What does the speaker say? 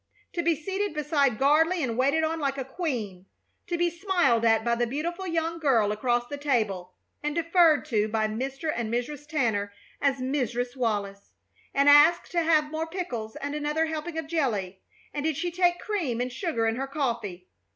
To be seated beside Gardley and waited on like a queen! To be smiled at by the beautiful young girl across the table, and deferred to by Mr. and Mrs. Tanner as "Mrs. Wallis," and asked to have more pickles and another helping of jelly, and did she take cream and sugar in her coffee!